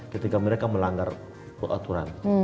ketika mereka melanggar keaturan